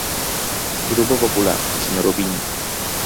Grupo Popular, señor Ubiña.